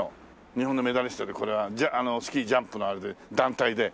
日本のメダリストでこれはスキージャンプのあれで団体で。